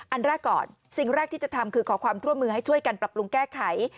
อันแรกก่อนสิ่งแรกที่จะทำคือขอความร่วมมือให้ช่วยกันปรับปรุงแก้ไข